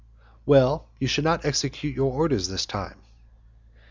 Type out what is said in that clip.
"Well, you shall not execute your orders this time."